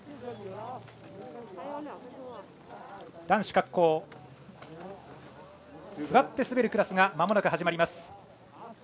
男子滑降座って滑るクラスがまもなく始まります。